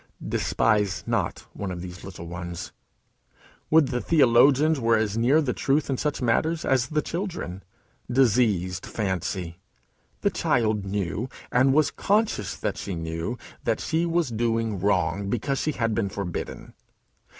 "Despise not one of these little ones." Would the theologians were as near the truth in such matters as the children. Diseased fancy! The child knew, and was conscious that she knew, that she was doing wrong because she had been forbidden.